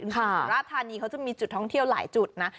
สุราธานีเขาจะมีจุดท่องเที่ยวหลายจุดนะ